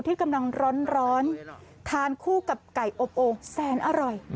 ที่กำลังร้อนทานคู่กับไก่อบโอ่งแสนอร่อย